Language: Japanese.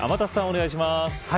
お願いします。